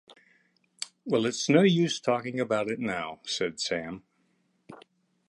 ‘Well, it’s no use talking about it now,’ said Sam.